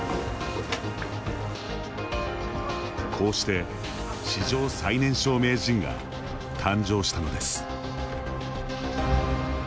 こうして史上最年少名人が誕生したのです。